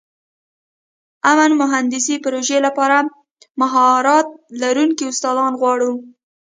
امن مهندسي پروژې لپاره مهارت لرونکي استادان غواړو.